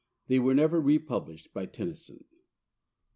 They were never republished by Tennyson.